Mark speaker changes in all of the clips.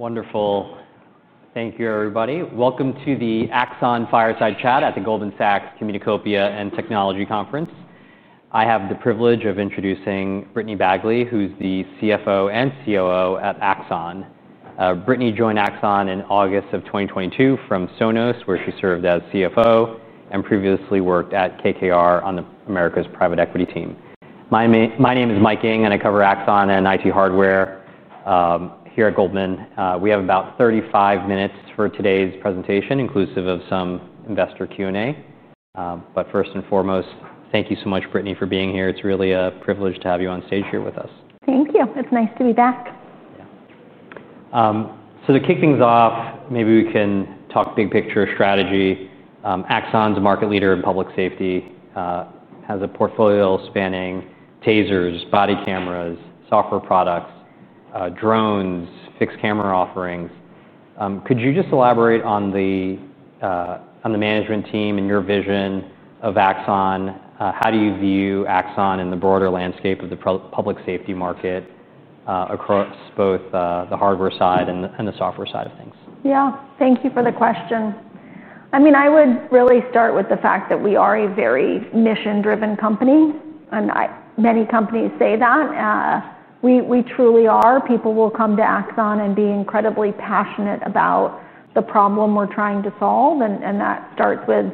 Speaker 1: Wonderful. Thank you, everybody. Welcome to the Axon Fireside Chat at the Goldman Sachs Communicopia and Technology Conference. I have the privilege of introducing Brittany Bagley, who's the CFO and COO at Axon. Brittany joined Axon in August of 2022 from Sonos, where she served as CFO and previously worked at KKR on America's private equity team. My name is Michael Ng, and I cover Axon and IT hardware here at Goldman Sachs. We have about 35 minutes for today's presentation, inclusive of some investor Q&A. First and foremost, thank you so much, Brittany, for being here. It's really a privilege to have you on stage here with us.
Speaker 2: Thank you. It's nice to be back.
Speaker 1: Yeah. To kick things off, maybe we can talk big picture strategy. Axon's market leader in public safety has a portfolio spanning TASERs, body cameras, software products, drones, fixed camera offerings. Could you just elaborate on the management team and your vision of Axon? How do you view Axon in the broader landscape of the public safety market across both the hardware side and the software side of things?
Speaker 2: Yeah, thank you for the question. I would really start with the fact that we are a very mission-driven company. Many companies say that. We truly are. People will come to Axon Enterprise and be incredibly passionate about the problem we're trying to solve. That starts with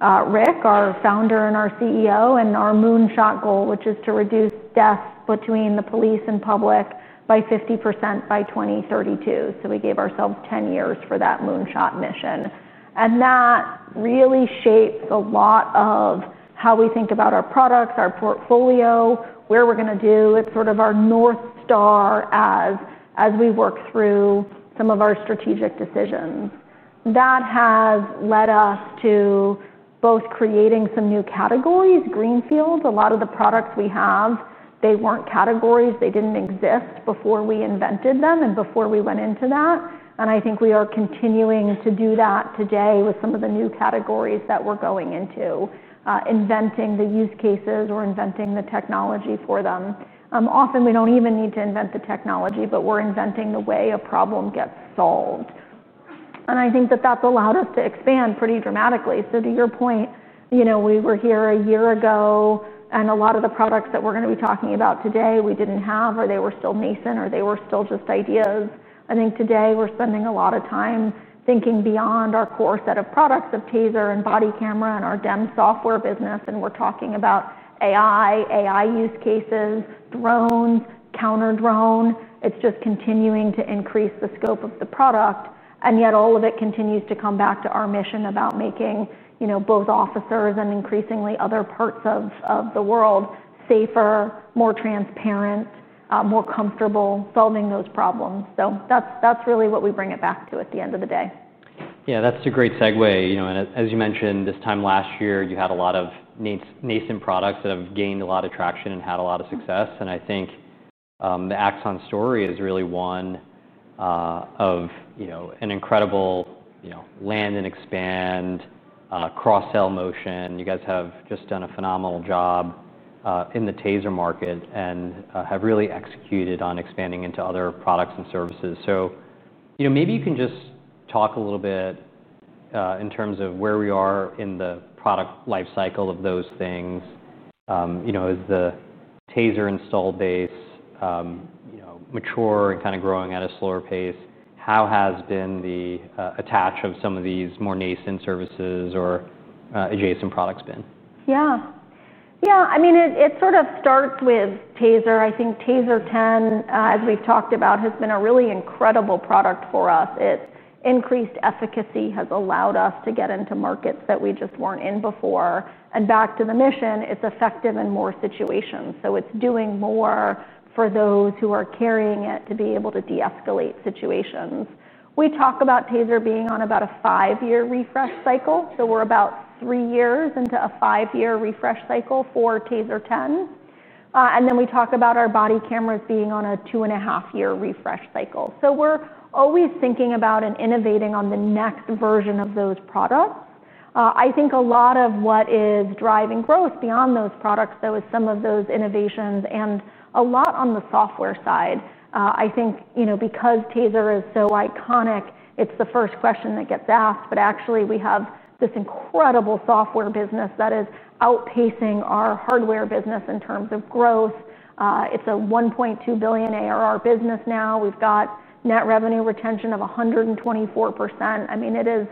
Speaker 2: Rick Smith, our founder and our CEO, and our moonshot goal, which is to reduce death between the police and public by 50% by 2032. We gave ourselves 10 years for that moonshot mission. That really shapes a lot of how we think about our products, our portfolio, where we're going to do it. It's sort of our North Star as we work through some of our strategic decisions. That has led us to both creating some new categories, greenfields. A lot of the products we have, they weren't categories. They didn't exist before we invented them and before we went into that. I think we are continuing to do that today with some of the new categories that we're going into, inventing the use cases or inventing the technology for them. Often, we don't even need to invent the technology, but we're inventing the way a problem gets solved. I think that that's allowed us to expand pretty dramatically. To your point, we were here a year ago, and a lot of the products that we're going to be talking about today, we didn't have, or they were still nascent, or they were still just ideas. I think today we're spending a lot of time thinking beyond our core set of products of TASER and body camera and our Axon Digital Evidence Management software business. We're talking about AI, AI use cases, drones, counter drone. It's just continuing to increase the scope of the product. Yet all of it continues to come back to our mission about making both officers and increasingly other parts of the world safer, more transparent, more comfortable solving those problems. That's really what we bring it back to at the end of the day.
Speaker 1: Yeah, that's a great segue. As you mentioned, this time last year, you had a lot of nascent products that have gained a lot of traction and had a lot of success. I think the Axon story is really one of an incredible land-and-expand cross-sell motion. You guys have just done a phenomenal job in the TASER market and have really executed on expanding into other products and services. Maybe you can just talk a little bit in terms of where we are in the product lifecycle of those things. Is the TASER install base mature and kind of growing at a slower pace? How has the attach of some of these more nascent services or adjacent products been?
Speaker 2: Yeah, yeah, I mean, it sort of starts with TASER. I think TASER 10, as we've talked about, has been a really incredible product for us. Its increased efficacy has allowed us to get into markets that we just weren't in before. Back to the mission, it's effective in more situations. It's doing more for those who are carrying it to be able to de-escalate situations. We talk about TASER being on about a five-year refresh cycle. We're about three years into a five-year refresh cycle for TASER 10. We talk about our body cameras being on a two and a half year refresh cycle. We're always thinking about and innovating on the next version of those products. I think a lot of what is driving growth beyond those products is some of those innovations and a lot on the software side. I think, you know, because TASER is so iconic, it's the first question that gets asked. Actually, we have this incredible software business that is outpacing our hardware business in terms of growth. It's a $1.2 billion annual recurring revenue business now. We've got net revenue retention of 124%. It is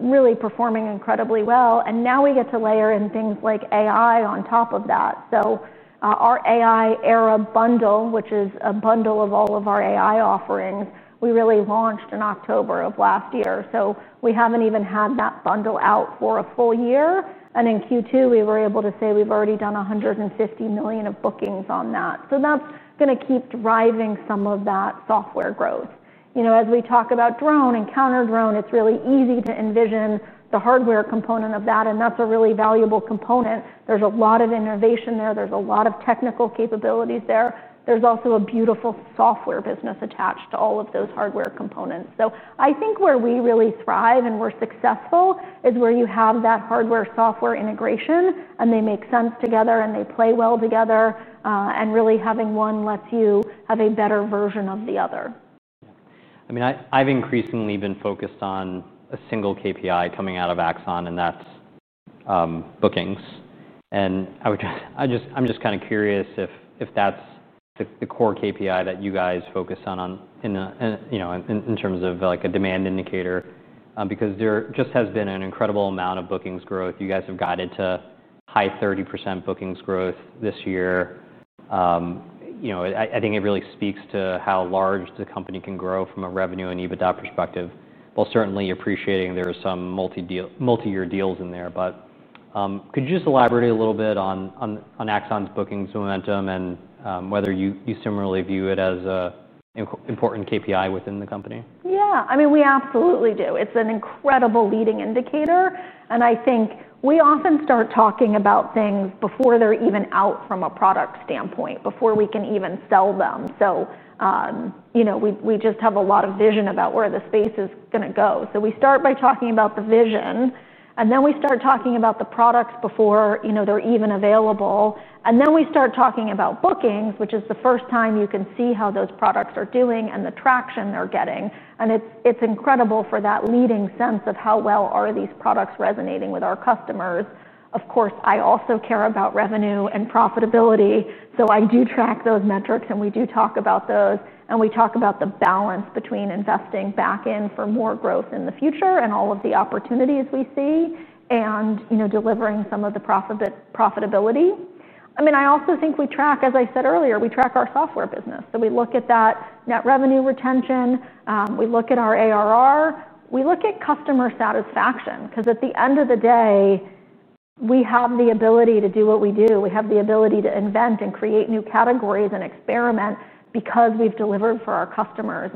Speaker 2: really performing incredibly well. Now we get to layer in things like AI on top of that. Our AI Era Plan, which is a bundle of all of our AI offerings, we really launched in October of last year. We haven't even had that bundle out for a full year. In Q2, we were able to say we've already done $150 million of bookings on that. That's going to keep driving some of that software growth. As we talk about drone and counter-drone, it's really easy to envision the hardware component of that, and that's a really valuable component. There's a lot of innovation there. There's a lot of technical capabilities there. There's also a beautiful software business attached to all of those hardware components. I think where we really thrive and we're successful is where you have that hardware-software integration, and they make sense together, and they play well together. Really having one lets you have a better version of the other.
Speaker 1: I mean, I've increasingly been focused on a single KPI coming out of Axon, and that's bookings. I'm just kind of curious if that's the core KPI that you guys focus on in terms of like a demand indicator, because there just has been an incredible amount of bookings growth. You guys have guided to high 30% bookings growth this year. I think it really speaks to how large the company can grow from a revenue and EBITDA perspective. Certainly appreciating there are some multi-year deals in there. Could you just elaborate a little bit on Axon's bookings momentum and whether you similarly view it as an important KPI within the company?
Speaker 2: Yeah, I mean, we absolutely do. It's an incredible leading indicator. I think we often start talking about things before they're even out from a product standpoint, before we can even sell them. We just have a lot of vision about where the space is going to go. We start by talking about the vision, and then we start talking about the products before they're even available. We start talking about bookings, which is the first time you can see how those products are doing and the traction they're getting. It's incredible for that leading sense of how well are these products resonating with our customers. Of course, I also care about revenue and profitability. I do track those metrics, and we do talk about those. We talk about the balance between investing back in for more growth in the future and all of the opportunities we see and delivering some of the profitability. I also think we track, as I said earlier, we track our software business. We look at that net revenue retention. We look at our ARR. We look at customer satisfaction because at the end of the day, we have the ability to do what we do. We have the ability to invent and create new categories and experiment because we've delivered for our customers.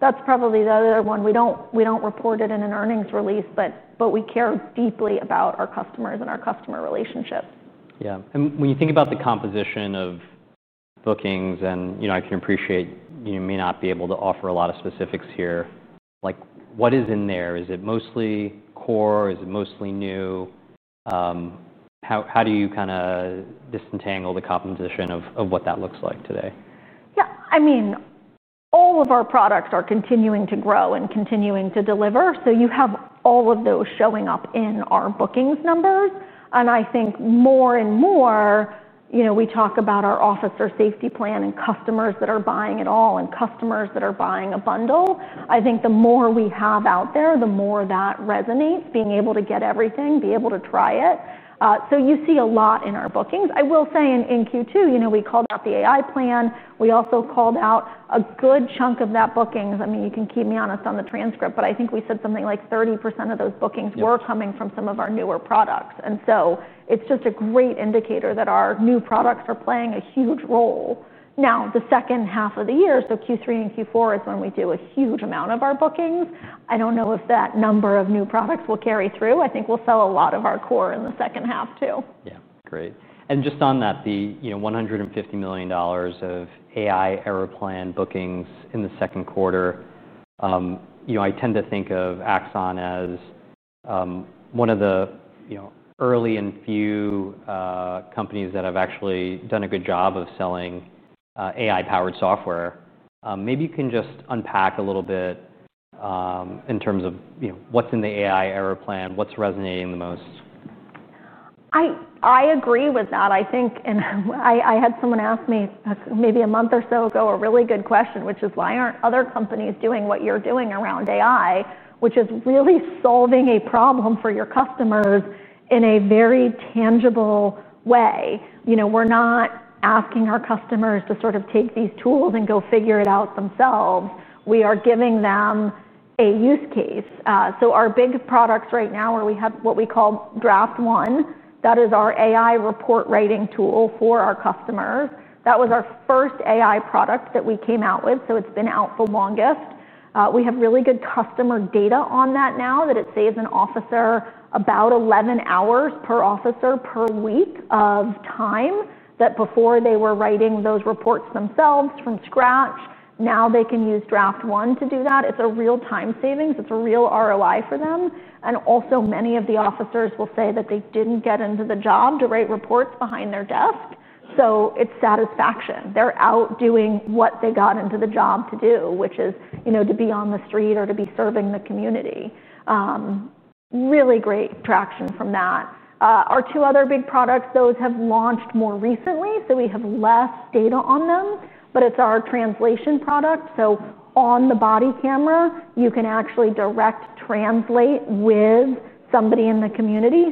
Speaker 2: That's probably the other one. We don't report it in an earnings release, but we care deeply about our customers and our customer relationships.
Speaker 1: Yeah. When you think about the composition of bookings, I can appreciate you may not be able to offer a lot of specifics here. What is in there? Is it mostly core? Is it mostly new? How do you kind of disentangle the composition of what that looks like today?
Speaker 2: Yeah, I mean, all of our products are continuing to grow and continuing to deliver. You have all of those showing up in our bookings numbers. I think more and more, you know, we talk about our officer safety plan and customers that are buying it all and customers that are buying a bundle. I think the more we have out there, the more that resonates, being able to get everything, be able to try it. You see a lot in our bookings. I will say in Q2, you know, we called out the AI plan. We also called out a good chunk of that bookings. I mean, you can keep me honest on the transcript, but I think we said something like 30% of those bookings were coming from some of our newer products. It's just a great indicator that our new products are playing a huge role. Now, the second half of the year, so Q3 and Q4, is when we do a huge amount of our bookings. I don't know if that number of new products will carry through. I think we'll sell a lot of our core in the second half too.
Speaker 1: Great. Just on that, the $150 million of AI Era Plan bookings in the second quarter, I tend to think of Axon as one of the early and few companies that have actually done a good job of selling AI-powered software. Maybe you can just unpack a little bit in terms of what's in the AI Era Plan, what's resonating the most.
Speaker 2: I agree with that. I think, and I had someone ask me maybe a month or so ago a really good question, which is, why aren't other companies doing what you're doing around AI, which is really solving a problem for your customers in a very tangible way? We're not asking our customers to sort of take these tools and go figure it out themselves. We are giving them a use case. Our big products right now are we have what we call Draft One. That is our AI report writing tool for our customers. That was our first AI product that we came out with. It's been out the longest. We have really good customer data on that now that it saves an officer about 11 hours per officer per week of time that before they were writing those reports themselves from scratch. Now they can use Draft One to do that. It's a real time savings. It's a real ROI for them. Also, many of the officers will say that they didn't get into the job to write reports behind their desk. It's satisfaction. They're out doing what they got into the job to do, which is, you know, to be on the street or to be serving the community. Really great traction from that. Our two other big products, those have launched more recently. We have less data on them, but it's our translation product. On the body camera, you can actually direct translate with somebody in the community.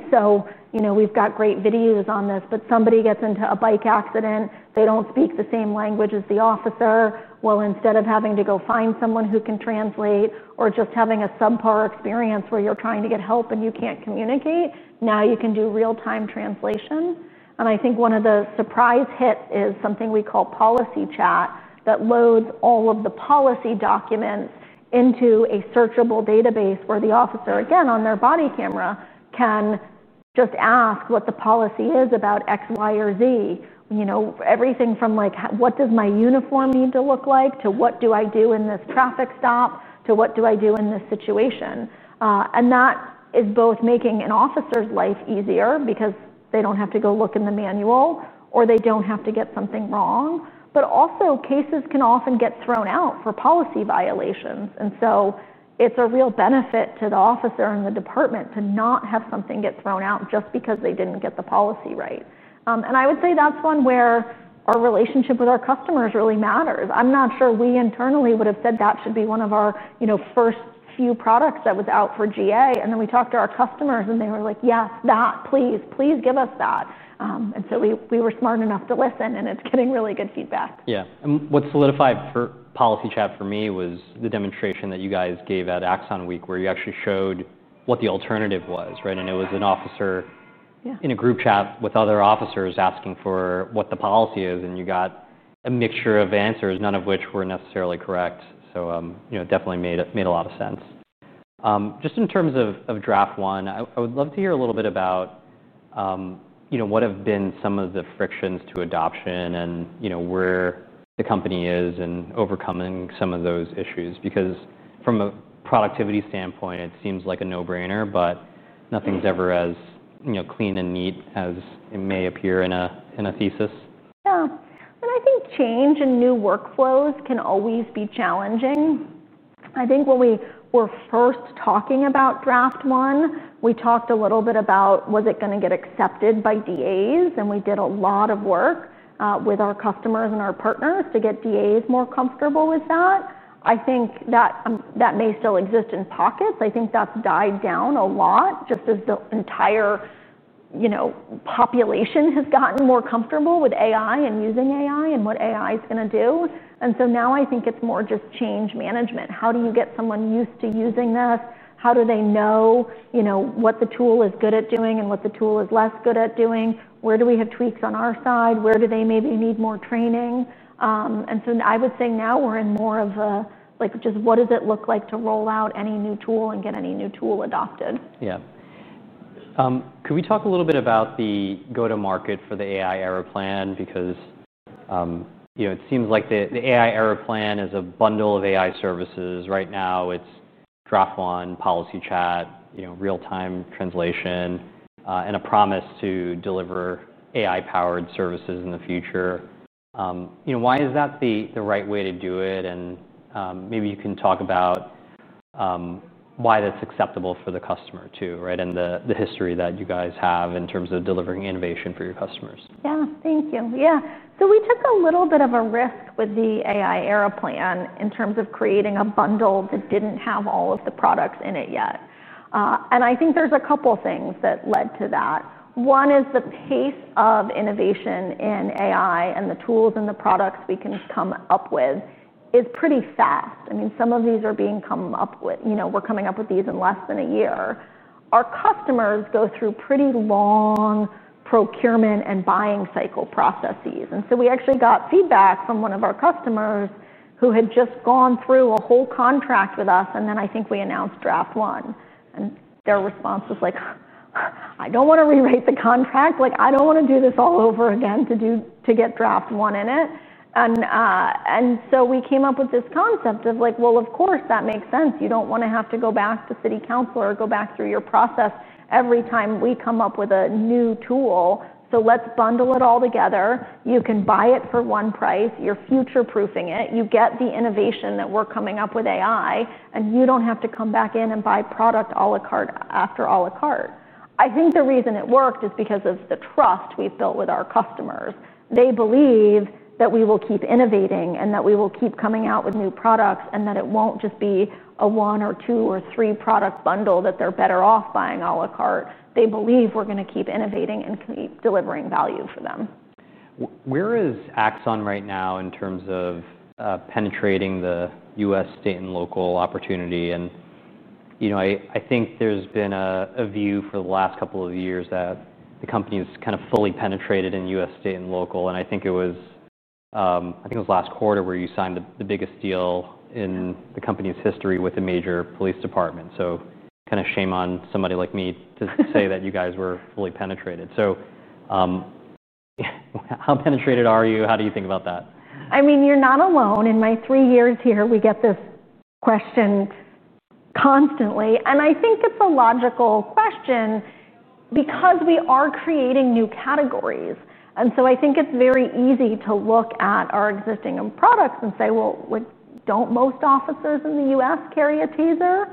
Speaker 2: We've got great videos on this, but somebody gets into a bike accident. They don't speak the same language as the officer. Instead of having to go find someone who can translate or just having a subpar experience where you're trying to get help and you can't communicate, now you can do real-time translation. I think one of the surprise hits is something we call Policy Chat that loads all of the policy documents into a searchable database where the officer, again, on their body camera, can just ask what the policy is about X, Y, or Z. Everything from like, what does my uniform need to look like to what do I do in this traffic stop to what do I do in this situation? That is both making an officer's life easier because they don't have to go look in the manual or they don't have to get something wrong. Also, cases can often get thrown out for policy violations. It's a real benefit to the officer and the department to not have something get thrown out just because they didn't get the policy right. I would say that's one where our relationship with our customers really matters. I'm not sure we internally would have said that should be one of our first few products that was out for GA. We talked to our customers and they were like, yes, that, please, please give us that. We were smart enough to listen and it's getting really good feedback.
Speaker 1: Yeah. What solidified for Policy Chat for me was the demonstration that you guys gave at Axon Week where you actually showed what the alternative was, right? It was an officer in a group chat with other officers asking for what the policy is, and you got a mixture of answers, none of which were necessarily correct. It definitely made a lot of sense. Just in terms of Draft One, I would love to hear a little bit about what have been some of the frictions to adoption and where the company is in overcoming some of those issues because from a productivity standpoint, it seems like a no-brainer, but nothing's ever as clean and neat as it may appear in a thesis.
Speaker 2: Yeah, and I think change and new workflows can always be challenging. I think when we were first talking about Draft One, we talked a little bit about was it going to get accepted by DAs. We did a lot of work with our customers and our partners to get DAs more comfortable with that. I think that that may still exist in pockets. I think that's died down a lot just as the entire, you know, population has gotten more comfortable with AI and using AI and what AI is going to do. Now I think it's more just change management. How do you get someone used to using this? How do they know, you know, what the tool is good at doing and what the tool is less good at doing? Where do we have tweaks on our side? Where do they maybe need more training? I would say now we're in more of a, like, just what does it look like to roll out any new tool and get any new tool adopted?
Speaker 1: Yeah. Could we talk a little bit about the go-to-market for the AI Era Plan? Because, you know, it seems like the AI Era Plan is a bundle of AI services. Right now, it's Draft One, Policy Chat, you know, real-time translation, and a promise to deliver AI-powered services in the future. Why is that the right way to do it? Maybe you can talk about why that's acceptable for the customer too, right? The history that you guys have in terms of delivering innovation for your customers.
Speaker 2: Yeah, thank you. Yeah. We took a little bit of a risk with the AI Era Plan in terms of creating a bundle that didn't have all of the products in it yet. I think there's a couple of things that led to that. One is the pace of innovation in AI and the tools and the products we can come up with is pretty fast. I mean, some of these are being come up with, you know, we're coming up with these in less than a year. Our customers go through pretty long procurement and buying cycle processes. We actually got feedback from one of our customers who had just gone through a whole contract with us. I think we announced Draft One, and their response was like, I don't want to rewrite the contract. Like, I don't want to do this all over again to get Draft One in it. We came up with this concept of like, of course that makes sense. You don't want to have to go back to city council or go back through your process every time we come up with a new tool. Let's bundle it all together. You can buy it for one price. You're future-proofing it. You get the innovation that we're coming up with in AI, and you don't have to come back in and buy product a la carte after a la carte. I think the reason it worked is because of the trust we've built with our customers. They believe that we will keep innovating and that we will keep coming out with new products and that it won't just be a one or two or three product bundle that they're better off buying a la carte. They believe we're going to keep innovating and keep delivering value for them.
Speaker 1: Where is Axon right now in terms of penetrating the U.S. state and local opportunity? I think there's been a view for the last couple of years that the company has kind of fully penetrated in U.S. state and local. I think it was last quarter where you signed the biggest deal in the company's history with a major police department. Kind of shame on somebody like me to say that you guys were fully penetrated. How penetrated are you? How do you think about that?
Speaker 2: I mean, you're not alone. In my three years here, we get this question constantly. I think it's a logical question because we are creating new categories. I think it's very easy to look at our existing products and say, don't most officers in the U.S. carry a TASER?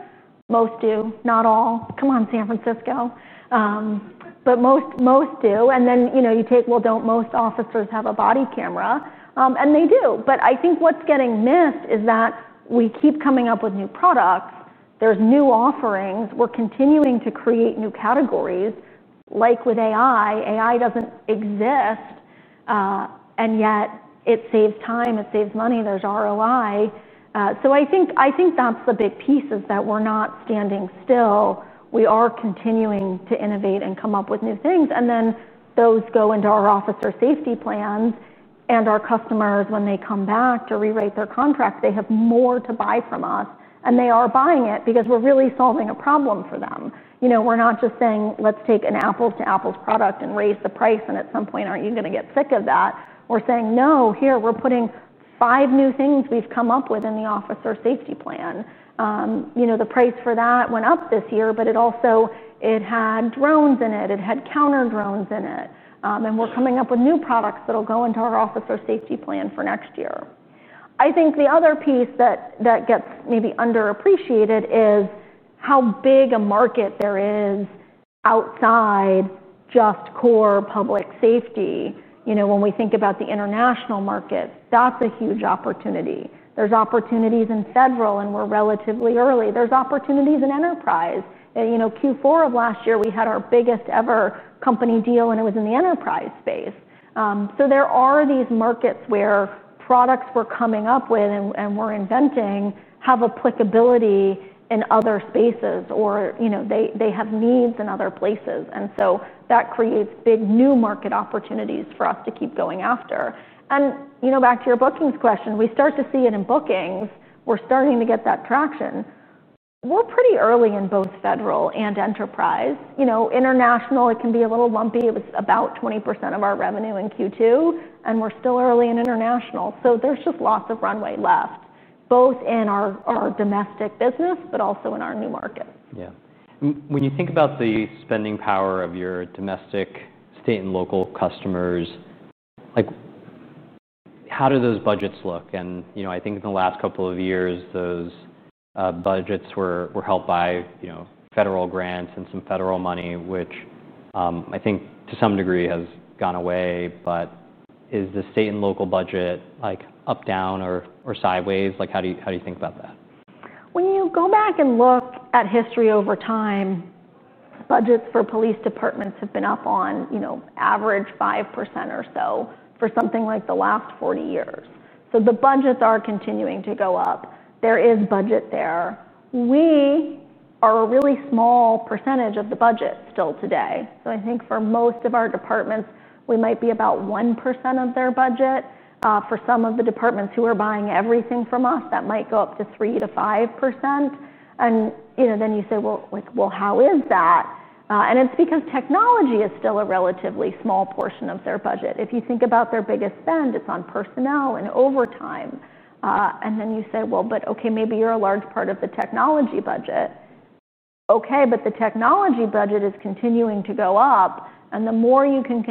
Speaker 2: Most do. Not all. Come on, San Francisco. Most do. Then, you know, you take, don't most officers have a body camera? They do. I think what's getting missed is that we keep coming up with new products. There are new offerings. We're continuing to create new categories. Like with AI, AI doesn't exist. Yet it saves time. It saves money. There's ROI. I think that's the big piece, that we're not standing still. We are continuing to innovate and come up with new things. Those go into our officer safety plans. Our customers, when they come back to rewrite their contracts, have more to buy from us. They are buying it because we're really solving a problem for them. We're not just saying, let's take an apples-to-apples product and raise the price. At some point, aren't you going to get sick of that? We're saying, no, here, we're putting five new things we've come up with in the officer safety plan. The price for that went up this year, but it also had drones in it. It had counter drones in it. We're coming up with new products that'll go into our officer safety plan for next year. I think the other piece that gets maybe underappreciated is how big a market there is outside just core public safety. When we think about the international markets, that's a huge opportunity. There are opportunities in federal, and we're relatively early. There are opportunities in enterprise. Q4 of last year, we had our biggest ever company deal, and it was in the enterprise space. There are these markets where products we're coming up with and we're inventing have applicability in other spaces, or they have needs in other places. That creates big new market opportunities for us to keep going after. Back to your bookings question, we start to see it in bookings. We're starting to get that traction. We're pretty early in both federal and enterprise. International can be a little lumpy. It was about 20% of our revenue in Q2, and we're still early in international. There's just lots of runway left, both in our domestic business, but also in our new market.
Speaker 1: Yeah. When you think about the spending power of your domestic state and local customers, how do those budgets look? I think in the last couple of years, those budgets were helped by federal grants and some federal money, which I think to some degree has gone away. Is the state and local budget up, down, or sideways? How do you think about that?
Speaker 2: When you go back and look at history over time, budgets for police departments have been up on average 5% or so for something like the last 40 years. The budgets are continuing to go up. There is budget there. We are a really small percentage of the budget still today. I think for most of our departments, we might be about 1% of their budget. For some of the departments who are buying everything from us, that might go up to 3% to 5%. You say, how is that? It's because technology is still a relatively small portion of their budget. If you think about their biggest spend, it's on personnel and overtime. Maybe you're a large part of the technology budget. The technology budget is continuing to go up. The more you can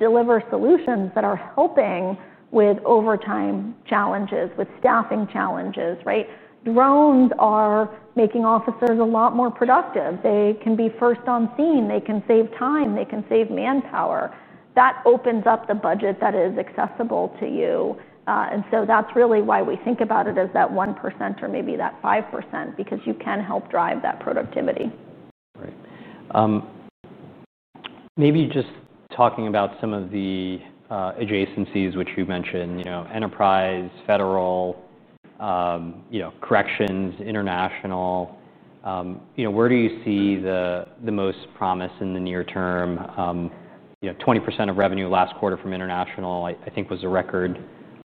Speaker 2: deliver solutions that are helping with overtime challenges, with staffing challenges, right? Drones are making officers a lot more productive. They can be first on scene. They can save time. They can save manpower. That opens up the budget that is accessible to you. That's really why we think about it as that 1% or maybe that 5% because you can help drive that productivity.
Speaker 1: Right. Maybe just talking about some of the adjacencies which you mentioned, you know, enterprise, federal, corrections, international. Where do you see the most promise in the near term? 20% of revenue last quarter from international, I think, was a record.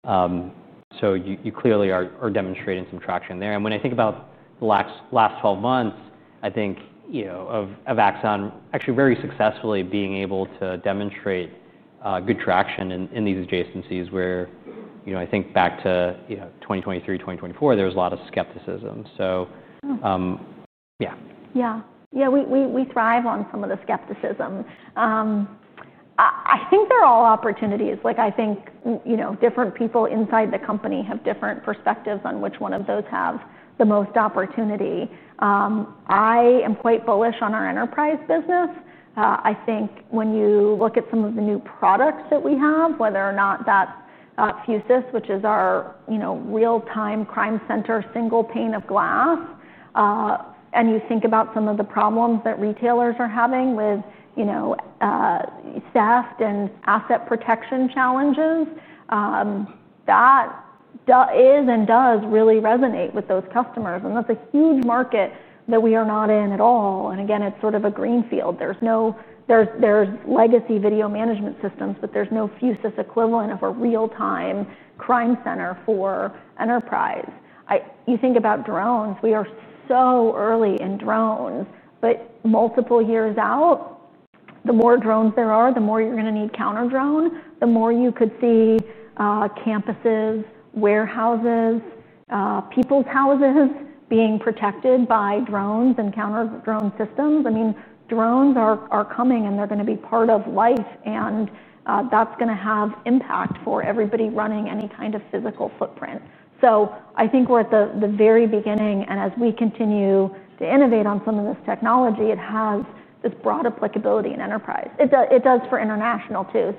Speaker 1: You clearly are demonstrating some traction there. When I think about the last 12 months, I think of Axon Enterprise actually very successfully being able to demonstrate good traction in these adjacencies where I think back to 2023, 2024, there was a lot of skepticism. Yeah.
Speaker 2: Yeah. Yeah, we thrive on some of the skepticism. I think they're all opportunities. I think, you know, different people inside the company have different perspectives on which one of those has the most opportunity. I am quite bullish on our enterprise business. I think when you look at some of the new products that we have, whether or not that's Fusis, which is our, you know, real-time crime center single pane of glass, and you think about some of the problems that retailers are having with, you know, theft and asset protection challenges, that is and does really resonate with those customers. That's a huge market that we are not in at all. Again, it's sort of a greenfield. There are legacy video management systems, but there's no Fusis equivalent of a real-time crime center for enterprise. You think about drones. We are so early in drones. Multiple years out, the more drones there are, the more you're going to need counter drone, the more you could see campuses, warehouses, people's houses being protected by drones and counter drone systems. I mean, drones are coming, and they're going to be part of life. That's going to have impact for everybody running any kind of physical footprint. I think we're at the very beginning. As we continue to innovate on some of this technology, it has this broad applicability in enterprise. It does for international too.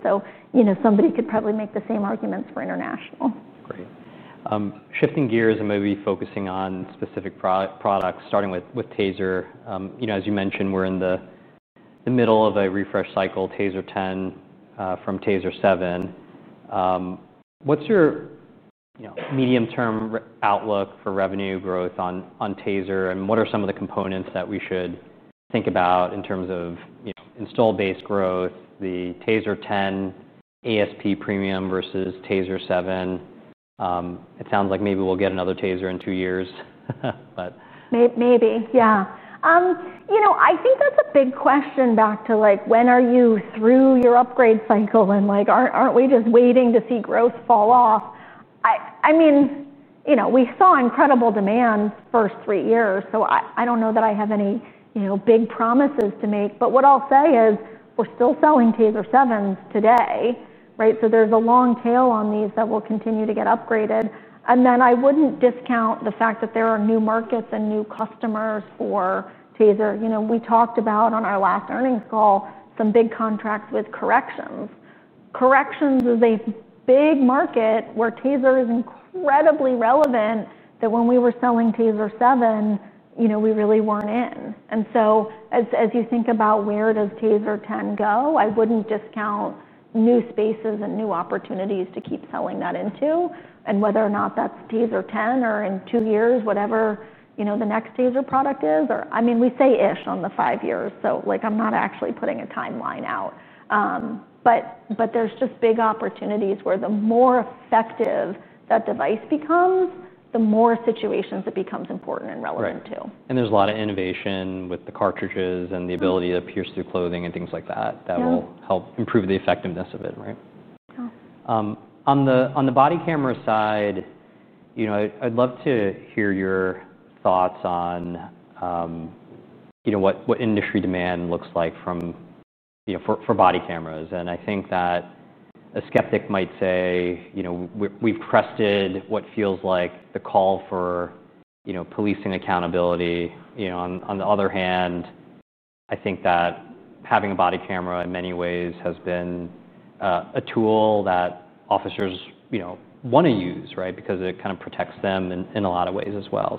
Speaker 2: You know, somebody could probably make the same arguments for international.
Speaker 1: Great. Shifting gears and maybe focusing on specific products, starting with TASER. As you mentioned, we're in the middle of a refresh cycle, TASER 10 from TASER 7. What's your medium-term outlook for revenue growth on TASER? What are some of the components that we should think about in terms of install-based growth, the TASER 10 ASP premium versus TASER 7? It sounds like maybe we'll get another TASER in two years.
Speaker 2: Maybe, yeah. I think that's a big question back to like, when are you through your upgrade cycle? Like, aren't we just waiting to see growth fall off? I mean, we saw incredible demand the first three years. I don't know that I have any big promises to make. What I'll say is we're still selling TASER 7s today, right? There's a long tail on these that will continue to get upgraded. I wouldn't discount the fact that there are new markets and new customers for TASER. We talked about on our last earnings call some big contracts with corrections. Corrections is a big market where TASER is incredibly relevant that when we were selling TASER 7, we really weren't in. As you think about where TASER 10 goes, I wouldn't discount new spaces and new opportunities to keep selling that into. Whether or not that's TASER 10 or in two years, whatever the next TASER product is, or, I mean, we say ish on the five years. I'm not actually putting a timeline out. There's just big opportunities where the more effective that device becomes, the more situations it becomes important and relevant to.
Speaker 1: There is a lot of innovation with the cartridges and the ability to pierce through clothing and things like that that will help improve the effectiveness of it, right?
Speaker 2: Yeah.
Speaker 1: On the body camera side, I'd love to hear your thoughts on what industry demand looks like for body cameras. I think that a skeptic might say we've crested what feels like the call for policing accountability. On the other hand, I think that having a body camera in many ways has been a tool that officers want to use, right? Because it kind of protects them in a lot of ways as well.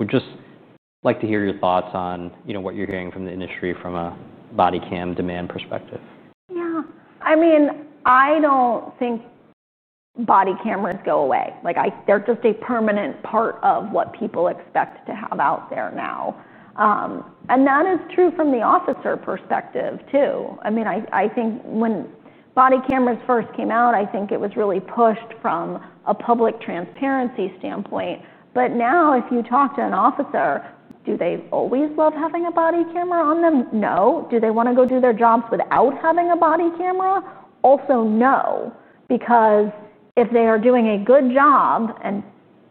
Speaker 1: We'd just like to hear your thoughts on what you're hearing from the industry from a body cam demand perspective.
Speaker 2: Yeah, I mean, I don't think body cameras go away. They're just a permanent part of what people expect to have out there now. That is true from the officer perspective too. I mean, I think when body cameras first came out, it was really pushed from a public transparency standpoint. Now, if you talk to an officer, do they always love having a body camera on them? No. Do they want to go do their jobs without having a body camera? Also, no. Because if they are doing a good job, and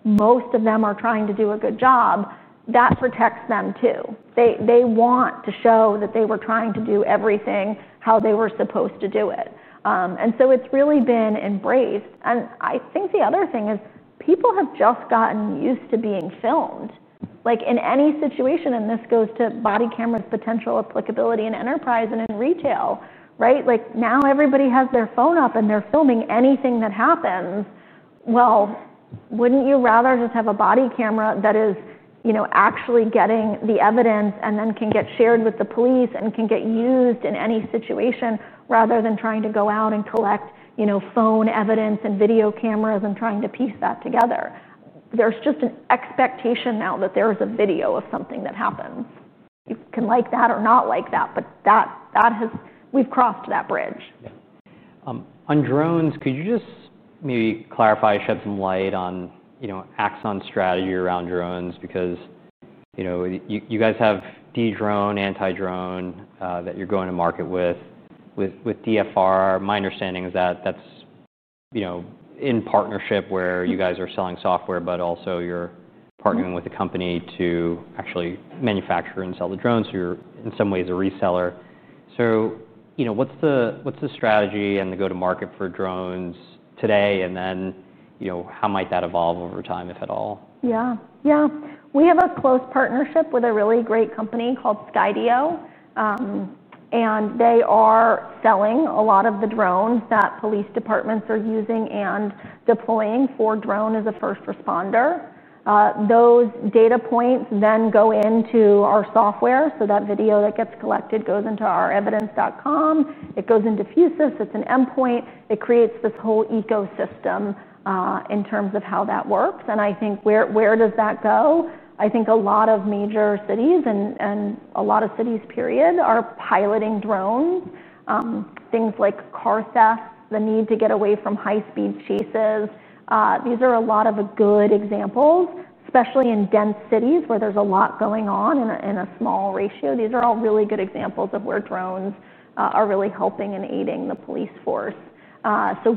Speaker 2: most of them are trying to do a good job, that protects them too. They want to show that they were trying to do everything how they were supposed to do it. It's really been embraced. I think the other thing is people have just gotten used to being filmed. In any situation, and this goes to body cameras' potential applicability in enterprise and in retail, right? Now everybody has their phone up and they're filming anything that happens. Wouldn't you rather just have a body camera that is actually getting the evidence and then can get shared with the police and can get used in any situation rather than trying to go out and collect phone evidence and video cameras and trying to piece that together? There's just an expectation now that there is a video of something that happened. You can like that or not like that, but we've crossed that bridge.
Speaker 1: Yeah. On drones, could you just maybe clarify, shed some light on, you know, Axon's strategy around drones? Because, you know, you guys have Dedrone, anti-drone that you're going to market with, with DFR. My understanding is that that's, you know, in partnership where you guys are selling software, but also you're partnering with the company to actually manufacture and sell the drones. So you're in some ways a reseller. What's the strategy and the go-to-market for drones today? How might that evolve over time, if at all?
Speaker 2: Yeah, yeah. We have a close partnership with a really great company called Skydio. They are selling a lot of the drones that police departments are using and deploying for drone as a first responder. Those data points then go into our software. That video that gets collected goes into our Axon Evidence. It goes into Fusus. It's an endpoint. It creates this whole ecosystem in terms of how that works. I think where does that go? I think a lot of major cities and a lot of cities, period, are piloting drones. Things like car theft, the need to get away from high-speed chases. These are a lot of good examples, especially in dense cities where there's a lot going on in a small ratio. These are all really good examples of where drones are really helping and aiding the police force.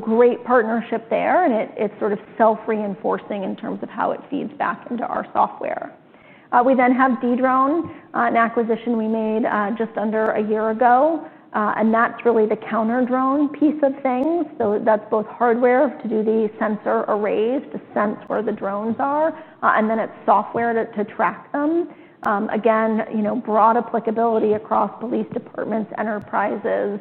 Speaker 2: Great partnership there. It's sort of self-reinforcing in terms of how it feeds back into our software. We then have Dedrone, an acquisition we made just under a year ago. That's really the counter drone piece of things. That's both hardware to do the sensor arrays to sense where the drones are, and then it's software to track them. Again, broad applicability across police departments, enterprises.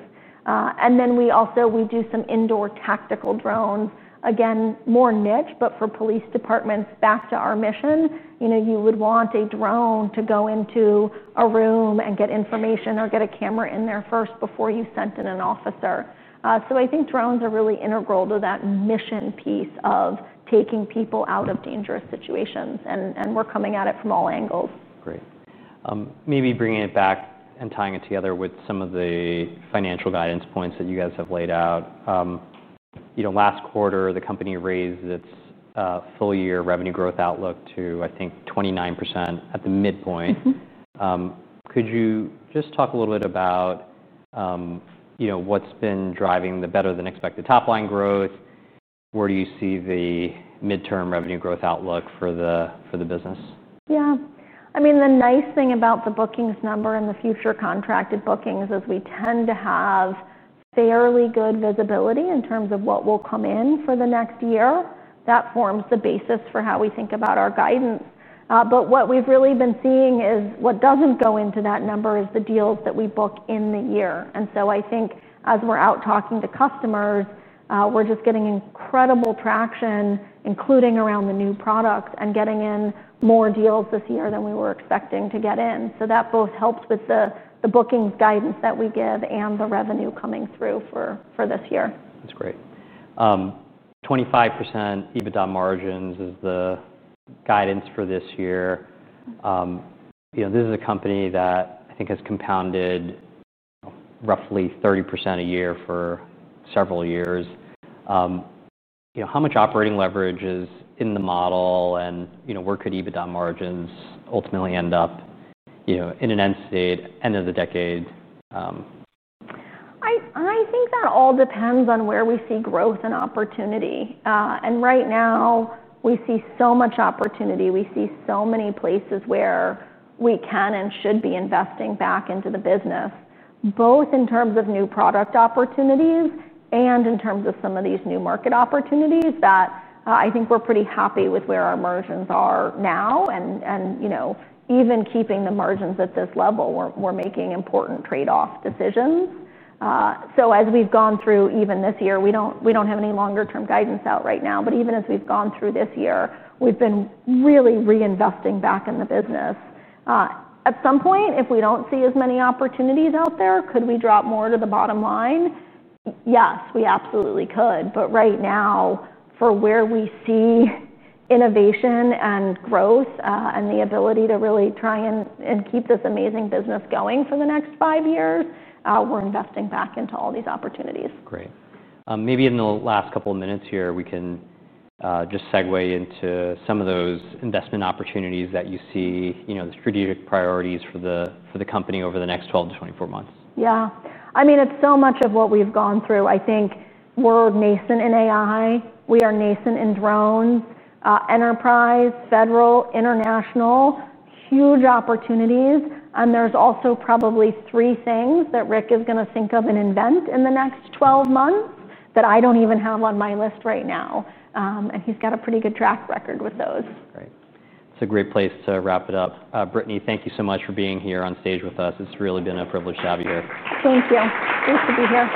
Speaker 2: We also do some indoor tactical drones. Again, more niche, but for police departments, back to our mission, you would want a drone to go into a room and get information or get a camera in there first before you sent in an officer. I think drones are really integral to that mission piece of taking people out of dangerous situations. We're coming at it from all angles.
Speaker 1: Great. Maybe bringing it back and tying it together with some of the financial guidance points that you guys have laid out. Last quarter, the company raised its full-year revenue growth outlook to, I think, 29% at the midpoint. Could you just talk a little bit about what's been driving the better-than-expected top-line growth? Where do you see the midterm revenue growth outlook for the business?
Speaker 2: Yeah. I mean, the nice thing about the bookings number and the future contracted bookings is we tend to have fairly good visibility in terms of what will come in for the next year. That forms the basis for how we think about our guidance. What we've really been seeing is what doesn't go into that number is the deals that we book in the year. I think as we're out talking to customers, we're just getting incredible traction, including around the new products and getting in more deals this year than we were expecting to get in. That both helps with the booking guidance that we give and the revenue coming through for this year.
Speaker 1: That's great. 25% EBITDA margins is the guidance for this year. This is a company that I think has compounded roughly 30% a year for several years. How much operating leverage is in the model, and where could EBITDA margins ultimately end up in an end state, end of the decade?
Speaker 2: I think that all depends on where we see growth and opportunity. Right now, we see so much opportunity. We see so many places where we can and should be investing back into the business, both in terms of new product opportunities and in terms of some of these new market opportunities that I think we're pretty happy with where our margins are now. Even keeping the margins at this level, we're making important trade-off decisions. As we've gone through even this year, we don't have any longer-term guidance out right now. Even as we've gone through this year, we've been really reinvesting back in the business. At some point, if we don't see as many opportunities out there, could we drop more to the bottom line? Yes, we absolutely could. Right now, for where we see innovation and growth and the ability to really try and keep this amazing business going for the next five years, we're investing back into all these opportunities.
Speaker 1: Great. Maybe in the last couple of minutes here, we can just segue into some of those investment opportunities that you see, you know, the strategic priorities for the company over the next 12 to 24 months.
Speaker 2: Yeah, I mean, it's so much of what we've gone through. I think we're nascent in AI. We are nascent in drone, enterprise, federal, international, huge opportunities. There's also probably three things that Rick is going to think of and invent in the next 12 months that I don't even have on my list right now. He's got a pretty good track record with those.
Speaker 1: Great. It's a great place to wrap it up. Brittany, thank you so much for being here on stage with us. It's really been a privilege to have you here.
Speaker 2: Thank you. Nice to be here.